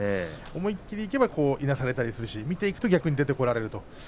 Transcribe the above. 思いっきりいければいなされたりするし見ていると逆に出てこられます。